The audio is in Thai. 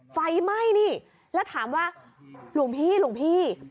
ไฟไหม้นี่แล้วถามว่าหลวงพี่